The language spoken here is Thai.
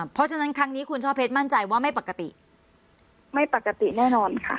เพราะฉะนั้นครั้งนี้คุณช่อเพชรมั่นใจว่าไม่ปกติไม่ปกติแน่นอนค่ะ